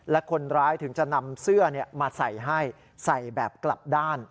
และคนร้ายถึงจะนำเสื้อมาใส่ให้ใส่แบบกลับด้าน